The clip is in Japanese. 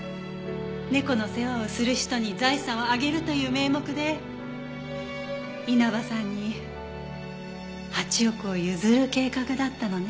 猫の世話をする人に財産をあげるという名目で稲葉さんに８億を譲る計画だったのね。